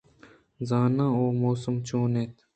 زاناں اُود ءَ موسم چون اِنت؟